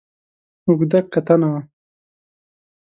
اوږده کتنه وه.